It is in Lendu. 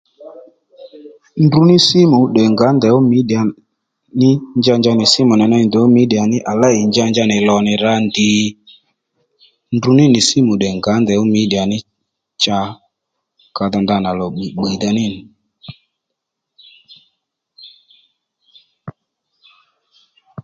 Ndruní simu tdè ngǎ ndèy ó mediya ní njanja nì simu nì ney ndèy ó mediya ní à lêy njanja nì lò nì rǎ ndìy ndruní nì simu tdè ngǎ ndèy ó mediya ní cha ka dho ndanà lò bbwǐy bbwǐdha ní nì